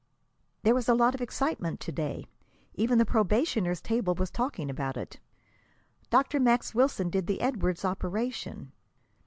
There was a lot of excitement to day. Even the probationers' table was talking about it. Dr. Max Wilson did the Edwardes operation."